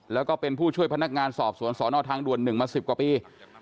แล้วก็เป็นผู้ช่วยพนักงานสอบสวนสนทางด่วน๑มา๑๐กว่าปี